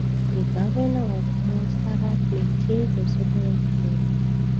The Governor of Montserrat maintains a separate flag.